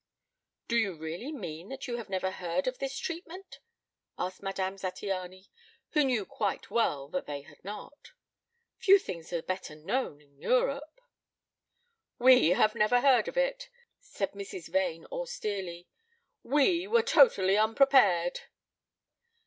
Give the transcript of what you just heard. "Do you really mean that you have never heard of this treatment?" asked Madame Zattiany, who knew quite well that they had not. "Few things are better known in Europe." "We have never heard of it," said Mrs. Vane austerely. "We were totally unprepared."